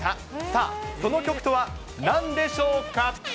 さあ、その曲とはなんでしょうか。